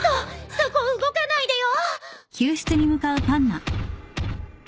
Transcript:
そこ動かないでよ！